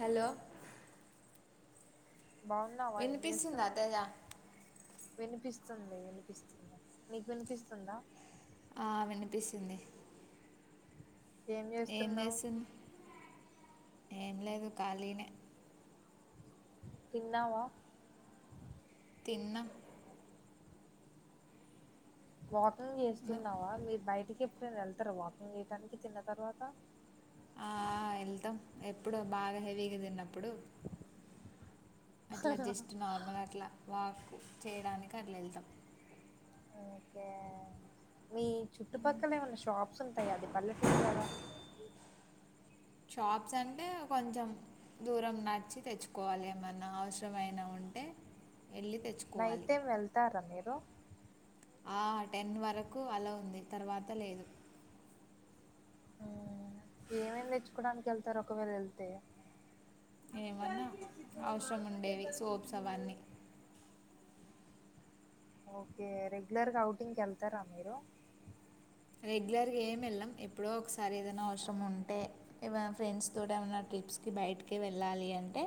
Hello బాగున్నావా ఏం వినిపిస్తుందా చేస్తున్నావ్ తేజ వినిపిస్తుంది వినిపిస్తుంది నీకు వినిపిస్తుందా ఆ వినిపిస్తుంది ఏం చేస్తున్నావ్ ఏం లేదు ఖాళీనే తిన్నావా తిన్నా వాకింగ్ ను చేస్తున్నావా మీరు బయట ఇంటికి ఎప్పుడైనా వెళ్తారా వాకింగ్ చేయడానికి తిన్న తర్వాత ఆ వెళ్తాం ఎప్పుడు బాగా హెవీగా తిన్నప్పుడు అట్లా జస్ట్ నార్మల్ అట్లా వాక్ చేయడానికి అట్లా వెళ్తాం అహా మీ చుట్టుపక్కల ఏమన్నా షాప్స్ ఉంటాయా అది పల్లెటూరు కదా షాప్స్ అంటే కొంచెం దూరం నడ్చి తెచ్చుకోవాలి ఏమన్నా అవసరమైనా ఉంట టే నైట్టైం వెళ్తారా మీరు ఆ టెన్ వరకు అలా ఉంది తర్వాత లేదు ఏమేమి నేర్చ్చుకోవడానికి వెళ్తారు ఒకవేళ వెళ్తే [inaudible] ఏమన్నా అవసరం ఉండేవి సోప్స్ అవన్నీ ఓకే రెగ్యులర్గా అవుటింగ్కి వెళ్తారా మీరు రెగ్యులర్ గా ఏం వెళ్లం ఎప్పుడో ఒకసారి ఏదైనా అవసరం ఉంటే ఫ్రెండ్స్ తో ఏమైన్నా ట్రిప్స్కి బయటికి వెళ్ళాలి అంటే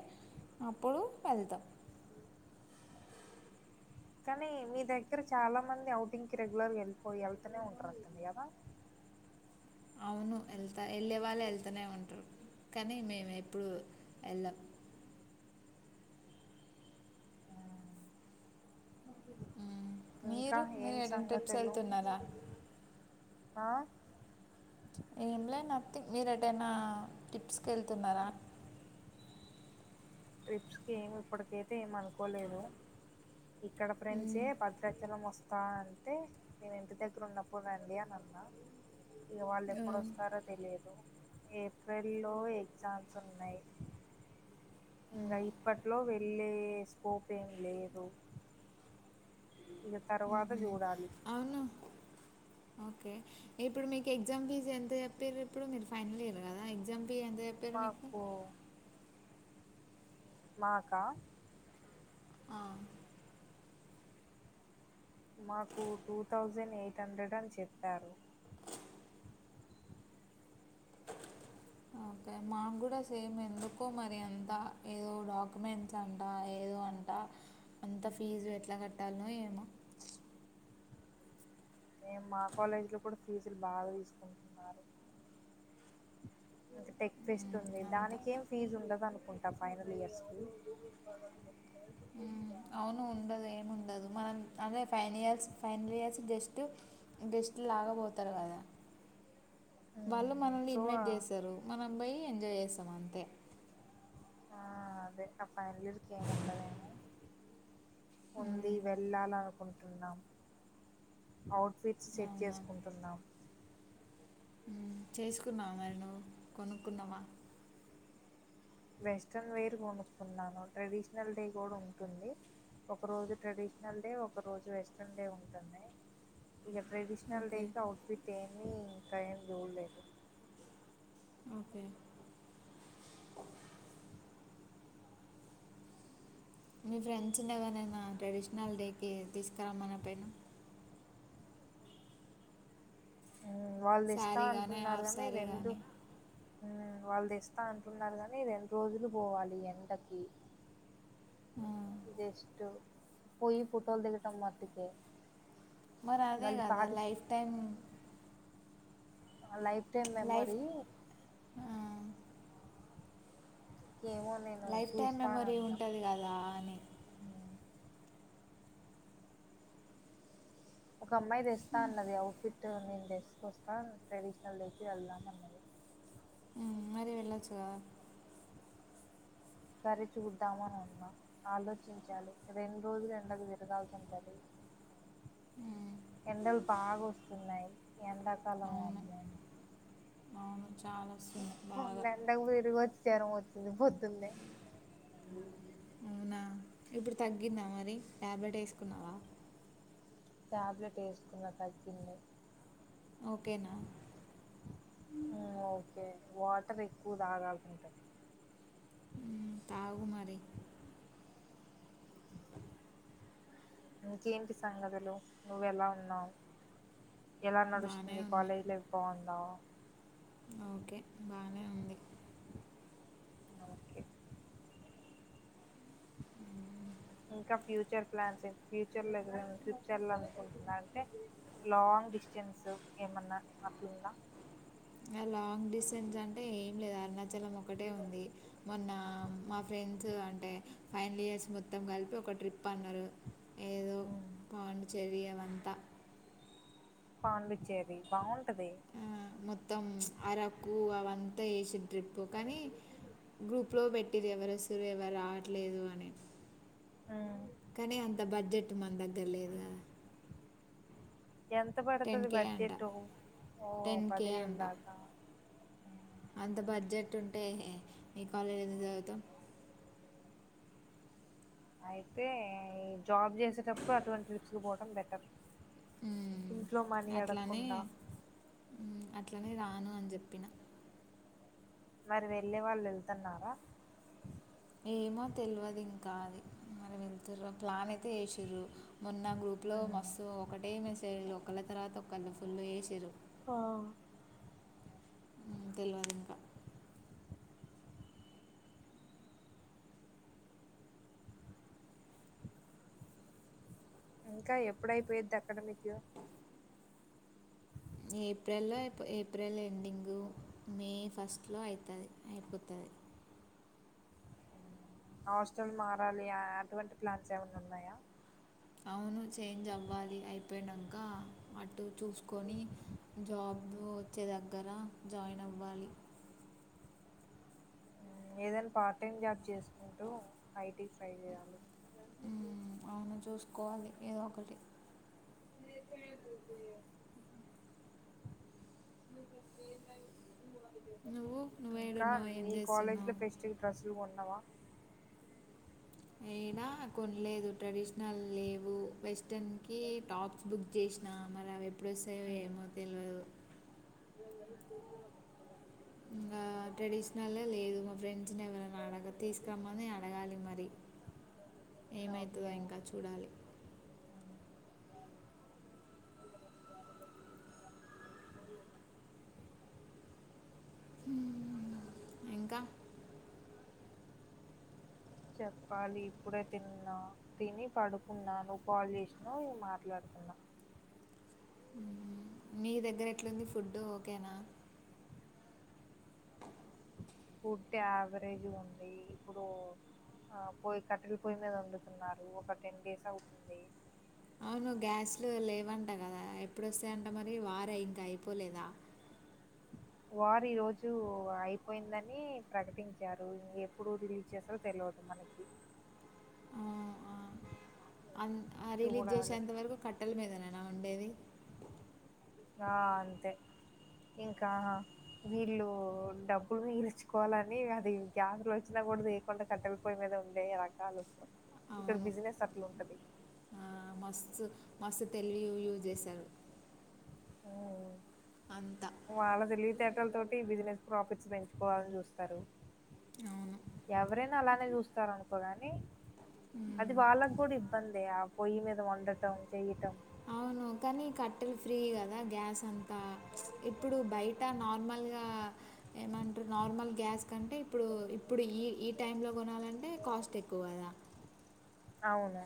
అప్పుడు వెళ్తాం అ కానీ మీ దగ్గర చాలా మంది అఔటింగ్ కి రెగ్యులర్గా వెళ్ళిపో వెళ్తూనే ఉంటరుంటంది కదా అవును వెళ్తా వెళ్ళే వాళ్ళు వెళ్తనే ఉంటారు కానీ మేము ఎప్పుడు వెళ్ళాం మ్మ్. ఇంకా మీరు మీరు ఏం ఎటైనా ట్రిప్స్ సంగతిలు వెళ్తున్నారా ఆ ఏంలే నథింగ్ మీరు ఎదైనా టిప్స్ క వెళ్తున్నారా ట్రిప్స్ కి ఏమి ఇప్పటికైతే ఏమ అనుకోలేదు ఇక్కడ ఫ్రెండ్సే మ్మ్. భద్రాచలం వస్తుంది రా అంటే నేను ఇంటి దగ్గర ఉన్నప్పుడు రండి అని అన్నా వాళ్ళు మ్మ్. ఎప్పుడుొస్తారో తెలియదు ఏప్రిల్ లో ఎగ్జామ్స్ ఉన్నాయి ఇంకా ఇప్పట్లో వెళ్ళే స్కోప్ ఏం లేదు ఇక తర్వాత చూడాలి అవును ఓకే ఇప్పుడు మీకు ఎగ్జామ్ ఫీజ్ ఎంత చెప్పారు ఇప్పుడు మీరు ఫైనల్ ఇయర్ కదా ఎగ్జామ్ అ ఎంత చెపిరు మీకు మాకు మాకా ఆ మాకు టూ థౌజండ్ ఎయిట్ హండ్రెడ్ అని చెప్పారు ఓకే మాకు కూడా సేమ్ ఎందుకో మరి అంత ఏదో డాక్యుమెంట్స్ అంట ఏదో అంట అంత ఫీజు ఎట్లా కట్టాలన ఏమో నేను మా కాలేజీలో కూడా ఫీజులు బాగా తీసుకుంటున్నారు అ టెక్ ఫెస్ట్ మ్మ్, ఉంది అంత దానికి ఏం ఫీజ్ ఉండదు అనుకుంటా ఫైనల్ ఇయర్స్ కు ఆ అవును ఉండదు ఏమి ఉండదు మనం అదే ఫైైన years final years just just లాగపోతారు కదా వాళ్ళు మనల్ని సో ఇన్వైట్ చేశారు మనం పోయి ఎంజాయ్ చేసాం అంతే ఆ అదే అప్పు అలోరు కేను ఉండదేను ఉంది మ్మ్, వెళ్ళాలను ఔటఫిట్ సెట్ అవునా చేసుకుంటున్నాం చేసుకున్నా కొనుక్కున్నావా వెస్ట్రన్ వేర్ కొనుక్కున్నాను ట్రెడిషనల్ డే కూడా ఉంటుంది ఒక రోజు ట్రెడిషనల్ డే ఒక రోజు వెస్ట్రన్ డే ఉంటుంది ఇక ట్రెడిషనల్ డే ఓకే క అవుట్ఫిట్ ఏమిీ ఇంకా ఏం చూడలేదు ఓకే మీ ఫ్రెండ్స్ ఉండగానైనా ట్రెడిషనల్ డే క తీసుకురమ్మ నా పైన వాళ్ళు ఇస్తా శారీ కానీ అంటున్నారు హాఫ్ కనీ శారీ రంటు కానీ వాళ్ళుది ఇస్తా అంటున్నారు కాని రెండు రోజులు పోవాలి ఎండకి ఇదిష్టటు పోయి ఫుటోలదు గట మాతుకే మరి అదే కదా life time life time life memory ఏమో నేను లైఫ్ టైమ్ మెమొరీ చూస్తానన్నా ఉంటంది కదా అని ఉమ్. ఒక అమ్మాయి తెస్తా అన్నది అవుట్ ఫిట్ నేను డ్రెస్కి వస్తా ట్రెడిషనల్ డకి వెళ్దాం అన్నది మరి వెళ్ళొచ్చుగాద సరి చూద్దామని అన్న ఆలోచించాలి రెండు రోజులు ఎండకు తిరగాలుతుంటది ఆ ఎండలు బాగా వస్తున్నాయి ఎండాకాలం అవును అమ్బ అవును చాలా వస్తుంది బాగా ఎ ఇరుగు వచ్చారు త పొతున్నా అవునా ఇప్పుడు తగ్గిందా మరి టాబ్లెట్ వేసుకున్నావా టాబ్లెట్ వేసుకున్న తగ్గింది ఓకేనా ఓకే వాటర్ ఎక్కువ తాగాలంట తాకుమారి ఇంకేంటి సంగతులు నువ్వెలా ఉన్నావు ఎలా బాగానే నడుస్తుంది ఉన్నా కాలేజ్ లైఫ్ బాగుందా ఓకే బా ఓకే ఇంకా ఫ్యూచర్ ప్లాన్స్ ఏంటి ఫ్యూచర్ లో దగ్గర ట్రిప్స్కుంటుంద అంటే లాంగ్ డిస్టెన్స్ ఏమన్నా అట్లుంద లాంగ్ డిస్టెన్స్ అంటే ఏం లేదు అరుణ ంచలం ఒకటే ఉంది మొన్న మా ఫ్రెండ్స్ అంటే అంటే ఫైవల్ ఇయర్స్ మొత్తం కలిపి ఒక ట్రిప్ అన్నారు ఏదో బగుంట చలియ ంత పాండిచ్చేరి బాగు ఆ మొత్తం అరకు అవంతా వేసి ట్రిప్ కానీ గ్రూప్ లో పెట్టిరు ఎవరు వసరు ఎవరు రావట్లేదు అని కానీ అంత బడ్జెట్ మన దగ్గర లేదు కదా ఎంత టెన్ పడుతది కే అంట బడ్జెట్ ఓ టెన్ కే పదివేలు అంట దాకా అంత బడ్జెట్ ఉంటే మీ కాలేజీ ఎందు చదువుతాం అయితే ఈ జాబ్ చేసేటప్పుడు అటువంటి ట్రిప్స్ కి పోవడం బెటర్ ఇంట్లో మనీ అట్లానే అడగకుండా అట్లనే రాను అని చెప్ పిన మరి వెళ్ళే వాళ్ళు వెళ్తున్నారా ఏమో తెలివదు ఇంకాది మరి వెళ్తుర ప్లాన్ చేసిర్రు మొన్న గ్రూప్ లో ఉమ్ మస్తు ఒకటే మెసేజ్ లు ఒకళ తర్వాత ఒకళ ఫుల్ వేసిర్రు ఆ తెలివాలి ఇంకా ఇంకా ఎప్పుడయిపోయద్ది అక్కడ మీకు ఏప్రిల్ల్లో అయిపో ఏప్రిల్ ఎండింగ మే ఫస్ట్ లో అయితది అయిపోతది [inaudible] హాస్టల్ మారాలి అటువంటి ప్లాన్స్ ఏమైనా ఉన్నాయా అవును చేంజ్ అవ్వాలి అయిపోయినాక అటు చూసుకొని జాబ్ వచ్చే దగ్గర జాయిన్ అవ్వాలి ఏదైనా పార్ట్ టైమ్ జాబ్ చేసుకుంటూ ఐటీ ట్రై చేయాలి అవును చూసుకోవాలి ఏదో ఒకటి న [inaudible] మయి నువ్వు ఇంకా నువ్వేడున్నావు ఏం మీ కాలేజ్ లో చేస్తున్నావు ఫెస్ట్ డ్రెస్సులు కొన్నా అవా ఏడా కొనలేదు ట్రెడిషనల్ లేవు వెస్ట్ టాప్స్ బుక్ చేసినా మరి ఎప్పుడు వస్తాయో ఉమ్, ఏమో తెలియదు ఇంకా ట్రెడిషనల్ లేదు మా ఫ్రెండ్స్ని ఎవరైనా అడగ తీసుకురమ్మని అడగాలి మరి ఏమైతుందో ఓకే ఇంకా చూడాలి ఉమ్, [inaudible] ఇంకా చెప్పాలి ఇప్పుడే తిన్నా తిని పడుకున్నాను నువ్వు కాల్ చేసినవ్ మాట్లాడుతున్న మీ దగ్గర ఎట్లుంది ఫుడ్ ఓకేనా ఫుడ్ యావరేజ్ ఉంది ఇప్పుడు ఆ పొయ కట్టెల పొయ్య మీద వండుతున్నారు ఒక టెన్ డేస్ అవుతుంది అవును గ్యాస్లు లేవంటా కదా ఎప్పుడొస్తాయంట మరి వార్ ఇంకా అయిపోలేదా [unintelligible] వార్ ఈ రోజు అయిపోయిందని ప్రకటించారు ఎప్పుడు రిలీజ్ చేస్తారో తెలవదు మనకి ఆఓ ఆ అ రిలీజ్ చూడాలి చేసేంత వరకు కట్టల మీదనేనా వండేది ఆ అంతే ఇంకా వీళ్ళు డబ్బులు మిగిల్చుకోవాలని అది గ్యాస్లు వచ్చిన కూడదు కొంత కట్టెల పొయ్యి మీద వన్డే రకాలు ఇక్కడ అవును బిజినెస్ అట్లుంటది ఆ, మస్తు మస్తు తెలివి యూజ్ చేశారు అంతా వాళ తెలివితే ల త ఈ బిజినెస్ ప్రాఫిట్స్ పెంచుకోవాలని చూస్తారు అవును ఎవరైనా అలానే చూస్తార అనుకోగాని అది వాళ్ళకు కూడా ఇబ్బంది ఆ పొయ్యి మీద వండటం చెయ్యటం అవును కానీ కట్టెలు ఫ్రీ గదా గ్యాస్ అం ఇప్పుడు బయట నార్మల్గా ఏమంటు నార్మల్ గ్యాస్ కంటే ఇప్పుడు ఇప్పుడు ఈ ఈ టైంలో కొనాలంటే కాస్ట్ ఎక్కువదా అవున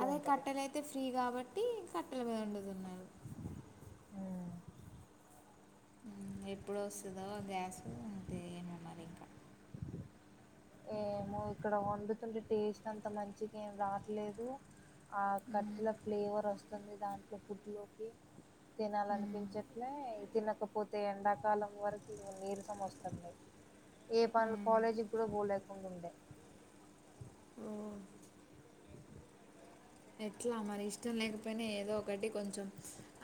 అదే కట్టెలైతే ఫ్రీ గాబట్టి కట్టెల మీద వండుతున్నా ఉమ్ మ్మ్ ఎప్పుడొస్తదో ఆ గ్యాస్ తీయమ మరింక ఏమో ఇక్కడ వండుతుంటే టేస్ట్ అంత మంచిగేమ్ రాట్లేదు ఆ కట్టెల ఫ్లేవర్ వస్తుంది దాంట్లో ఫుడ్ లోకి తినాలనిపించట్లై తినకపోతే ఎండాకాలం వరకి ఇంగ నీరసం వస్తుంది ఏ పనులు కాలేజీకి కూడా పోలేకుండుండే ఉమ్ ఎట్లా మరి ఇష్టం లేకపోయినా ఏదో ఒకటి కొంచెం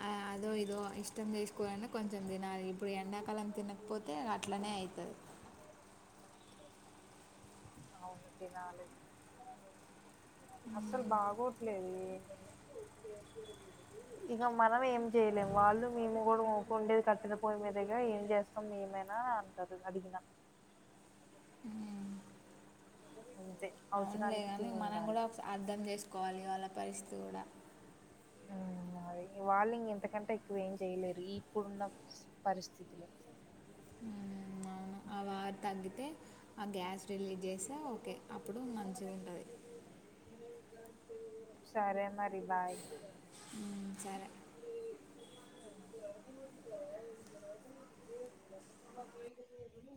ఆ అదో ఇదో ఇష్టం చేసుకొని కొంచెం దినాలి ఇప్పుడు ఎండాకాలం తినకపోతే అట్లనే అయితది అవును తినాలి అస్సలు బాగోట్లేదు ఏమి ఇక మనం ఏం చేయలేము వాళ్ళు మేము కూడా ఊకుండేది కట్టెల పొయ్యి మీద దగ్గర ఏం చేస్తాం మేమైనా అంటారు అడిగినా అంతే అవున్లే అవసరానికి గానీ తిని మనం గుడ ఉండాలి ఒకసా అర్థం చేసుకోవాలి వాళ్ళ పరిస్థి గుడ ఉమ్, వాళ్ళు ఇంగ ఇంతకంటే ఎక్కువ ఏం చేయలేరు ఈప్పుడున్న పరిస్థితిలో ఊహు అవును ఆ వార్ తగ్గితే ఆ గ్యాస్ రిలీజ్ చేస్తే ఓకే అప్పుడు మంచిగుంటది సరే మరి బాయ్ సరే [unintelligible]